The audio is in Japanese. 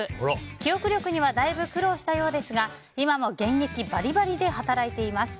記憶力にはだいぶ苦労したようですが今も現役バリバリで働いています。